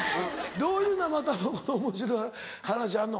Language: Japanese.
どういう生卵のおもしろい話あんの？